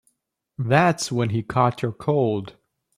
That's when he caught your cold.